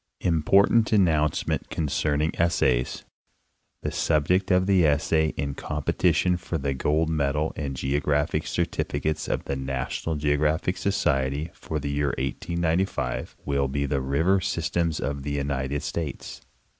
IMPORTANT ANNOUNCEMENT CONCERNING ESSAYS The subject of the Essay in competition for the Gold Medal and Geographic Certificates of the NATIONAL GEOGRAPHIC Sociery, for the year 1895, will be the River Systems of the United States.